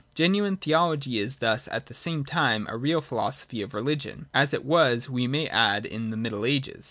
Genuine theology is thus at the same time a real philosophy of religion, as it was, we may add, in the Middle Ages.